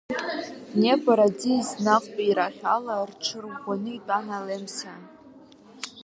Днепр аӡиас наҟтәирахь ала рҽырӷәӷәаны итәан алемсаа.